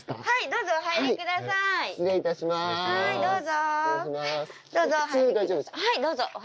はいどうぞ。